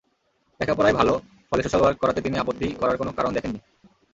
লেখাপড়ায় ভালো, ফলে সোশ্যাল ওয়ার্ক করাতে তিনি আপত্তি করার কোনো কারণ দেখেননি।